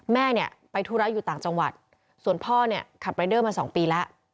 แม่เนี่ยไปธุระอยู่ต่างจังหวัดส่วนพ่อเนี่ยขับรายเดอร์มา๒ปีแล้ว